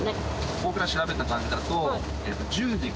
僕ら調べた感じだと。